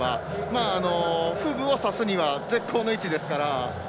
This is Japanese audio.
フグをさすには絶好の位置ですから。